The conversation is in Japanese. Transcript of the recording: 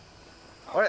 あれ？